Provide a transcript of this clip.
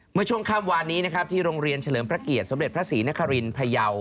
เมื่อช่วงค่ำวานนี้นะครับที่โรงเรียนเฉลิมพระเกียรติสมเด็จพระศรีนครินพยาว